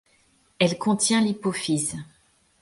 Elle contient l’hypophyse.